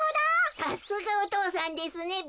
さすがおとうさんですねべ。